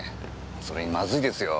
それにまずいですよ。